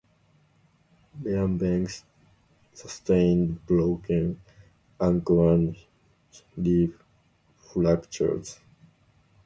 Rehberg sustained a broken ankle and rib fractures.